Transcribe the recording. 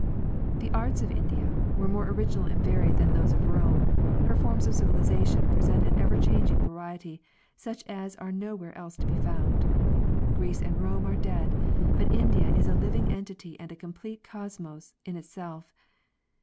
The arts of India were more original and varied than those of Rome; her forms of civilization present an ever changing variety, such as are nowhere else to be found. Greece and Rome are dead, but India is a living entity and a complete cosmos in itself.